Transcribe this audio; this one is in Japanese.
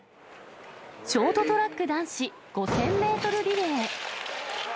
ショートトラック男子５０００メートルリレー。